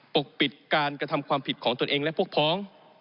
ปกปิดการกระทำความผิดของตนเองและพวกพ้อง